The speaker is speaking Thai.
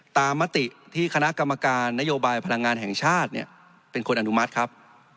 มติที่คณะกรรมการนโยบายพลังงานแห่งชาติเนี่ยเป็นคนอนุมัติครับ